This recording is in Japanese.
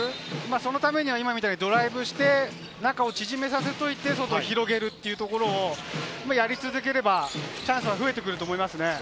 そのためには今みたいにドライブして、中を縮めさせておいて広げるっていうところをやり続ければチャンスは増えてくると思いますね。